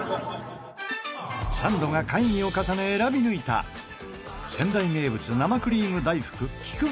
サンドが会議を重ね選び抜いた仙台名物生クリーム大福喜久